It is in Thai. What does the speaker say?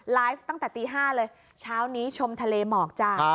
ตั้งแต่ตี๕เลยเช้านี้ชมทะเลหมอกจ้า